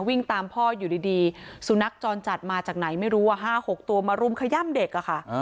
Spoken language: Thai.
วิ่งตามพ่ออยู่ดีสุนัขจรจัดมาจากไหนไม่รู้ว่า๕๖ตัวมารุมขย่ำเด็กอะค่ะ